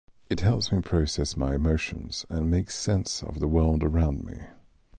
It helps me process my emotions and make sense of the world around me.